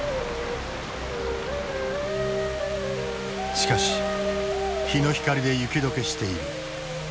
しかし日の光で雪融けしている。